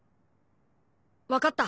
分かった。